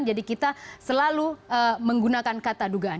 jadi kita selalu menggunakan kata dugaan